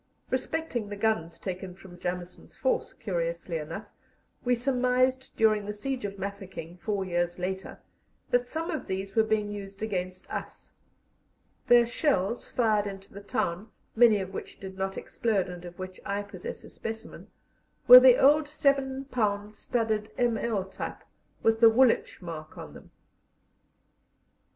Respecting the guns taken from Jameson's force, curiously enough, we surmised during the siege of Mafeking, four years later, that some of these were being used against us. Their shells fired into the town, many of which did not explode, and of which I possess a specimen, were the old seven pound studded M.L. type, with the Woolwich mark on them.